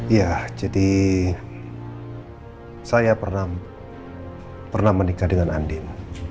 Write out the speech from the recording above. iya jadi saya pernah menikah dengan andin